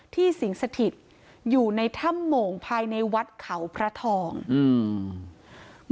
สิงสถิตอยู่ในถ้ำโมงภายในวัดเขาพระทองอืม